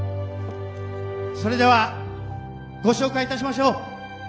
それではご紹介いたしましょう。